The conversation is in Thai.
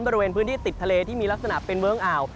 บริเวณพื้นที่ติดทะเลที่มีลักษณะเป็นเวิ้งอ่าว